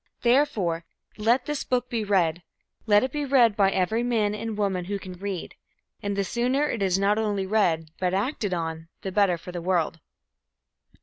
Therefore, let this book be read; let it be read by every man and woman who can read. And the sooner it is not only read but acted on, the better for the world.